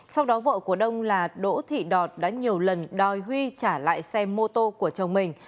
sau đó vợ của đông là đỗ thị đọt đã nhiều lần đòi huy trả lại xe mô tô của chồng mình